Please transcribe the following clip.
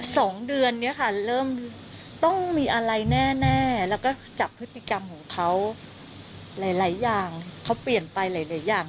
สองเดือนเนี้ยค่ะเริ่มต้องมีอะไรแน่แน่แล้วก็จับพฤติกรรมของเขาหลายหลายอย่างเขาเปลี่ยนไปหลายหลายอย่าง